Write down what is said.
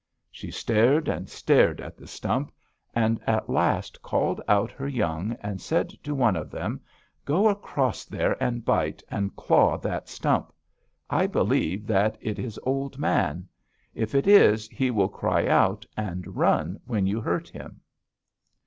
"She stared and stared at the stump, and at last called out her young, and said to one of them: 'Go across there and bite, and claw that stump. I believe that it is Old Man. If it is, he will cry out and run when you hurt him.'